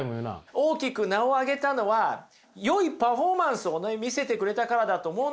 大きく名を上げたのはよいパフォーマンスを見せてくれたからだと思うんですよね。